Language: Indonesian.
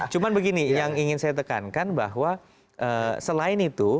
cuma begini yang ingin saya tekankan bahwa selain itu